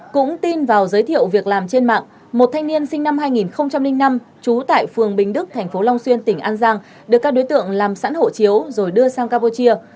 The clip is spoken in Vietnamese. cũng tin vào giới thiệu việc làm trên mạng một thanh niên sinh năm hai nghìn năm trú tại phường bình đức thành phố long xuyên tỉnh an giang được các đối tượng làm sẵn hộ chiếu rồi đưa sang campuchia